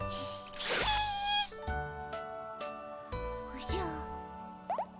おじゃ。